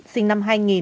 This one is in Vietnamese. sinh năm hai nghìn